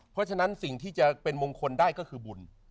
เพราะฉะนั้นสิ่งที่จะเป็นมงคลได้ก็คือบุญ